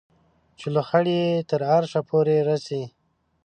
چې لوخړې یې تر عرشه پورې رسي